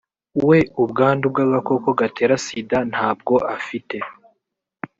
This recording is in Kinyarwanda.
we ubwandu bw’agakoko gatera sida ntabwo afite